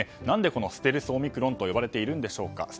何でステルスオミクロンと呼ばれているのでしょうか。